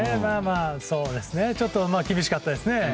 ちょっと厳しかったですね。